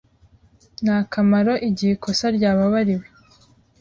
nta kamaro igihe ikosa ryababariwe,